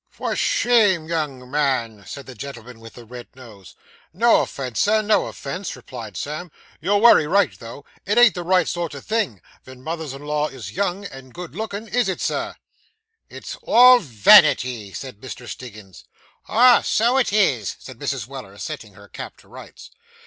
'For shame, young man!' said the gentleman with the red nose. 'No offence, sir, no offence,' replied Sam; 'you're wery right, though; it ain't the right sort o' thing, ven mothers in law is young and good looking, is it, Sir?' 'It's all vanity,' said Mr. Stiggins. 'Ah, so it is,' said Mrs. Weller, setting her cap to rights.